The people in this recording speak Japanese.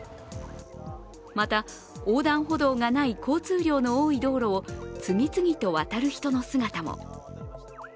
また、横断歩道がない交通量の多い道路を次々と渡る人の姿も。